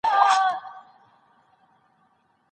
آيا پر خاوند باندي د ميرمني انا حرامه ده؟